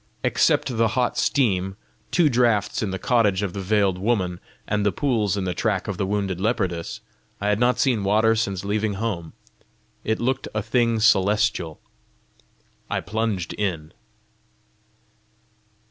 Except the hot stream, two draughts in the cottage of the veiled woman, and the pools in the track of the wounded leopardess, I had not seen water since leaving home: it looked a thing celestial. I plunged in.